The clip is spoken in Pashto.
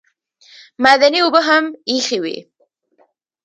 معدني اوبه هم ایښې وې.